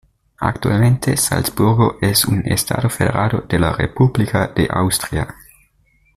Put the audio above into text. Actualmente Salzburgo es un Estado federado de la República de Austria.